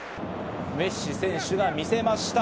メッシ選手が見せました。